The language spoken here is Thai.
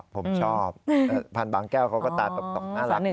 ผมชอบพันธุ์บางแก้วเขาก็ตาตกน่ารัก